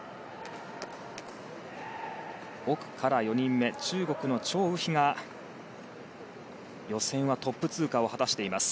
奥から４人目中国のチョウ・ウヒが予選はトップ通過を果たしています。